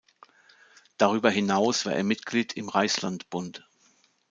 Darüber hinaus war er Mitglied im Reichslandbund.